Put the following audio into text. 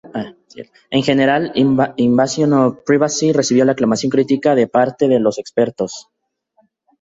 En general, "Invasion of Privacy" recibió la aclamación crítica de parte de los expertos.